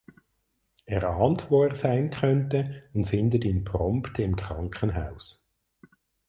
Er ahnt wo er sein könnte und findet ihn prompt im Krankenhaus.